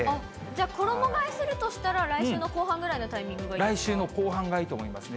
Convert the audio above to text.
じゃあ、衣替えするとしたら、来週の後半ぐらいのタイミングがいいですか。